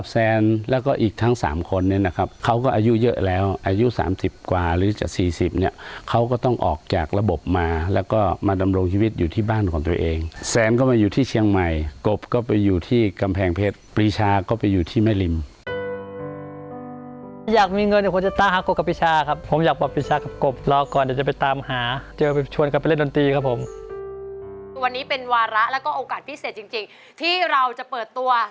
สี่สิบเนี่ยเขาก็ต้องออกจากระบบมาแล้วก็มาดำรงชีวิตอยู่ที่บ้านของตัวเองแซนก็มาอยู่ที่เชียงใหม่กบก็ไปอยู่ที่กำแพงเพชรปรีชาก็ไปอยู่ที่แม่ริมอยากมีเงินเนี่ยควรจะตั้งค่ะกบกับปรีชาครับผมอยากบอกปรีชากับกบรอก่อนเดี๋ยวจะไปตามหาเจอไปชวนกันไปเล่นดนตรีครับผมวันนี้เป็นวาระแล้วก็โอกาสพิเศษจริ